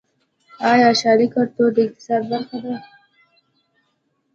آیا ښاري کلتور د اقتصاد برخه ده؟